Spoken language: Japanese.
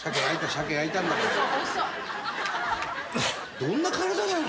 どんな体なの？